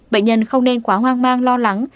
bệnh nhân không nên quá hoang mang lo lắng